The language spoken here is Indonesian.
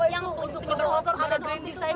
yang penyebar hoax dari negeri